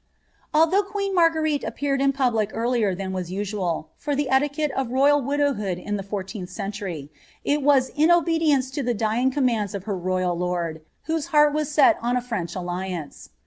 Although queen Marguerite appeared in pnblic earlier than was dmhI, for the etiquette of royal widowhood in the fourieeatli cenluiy, il wm in obedience to the dying comn»nda of her royal lord, whose heart m «ei on a French alliance.